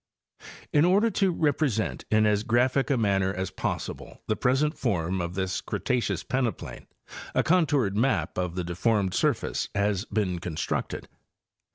In order to represent in as graphic a manner as possible the present form of this Cretaceous peneplain a contoured map of the deformed surface has been constructed.